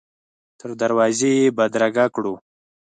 تر دروازې یې بدرګه کړو.